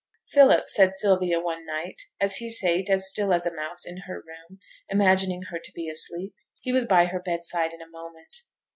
'Philip,' said Sylvia, one night, as he sate as still as a mouse in her room, imagining her to be asleep. He was by her bed side in a moment.